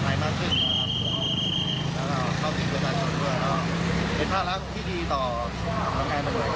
และเราเข้าที่ประชาชนเพื่อเป็นภาระที่ดีต่อพนักงานบริเวณ